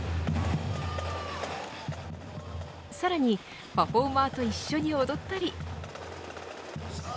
さらにパフォーマーと一緒に踊ったり。